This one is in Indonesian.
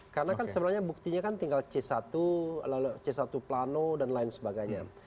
karena kan sebenarnya buktinya kan tinggal c satu lalu c satu plano dan lain sebagainya